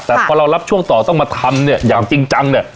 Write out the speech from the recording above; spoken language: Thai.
แต่พอเรารับช่วงต่อต้องมาทำเนี่ยอย่างจริงจังเนี่ย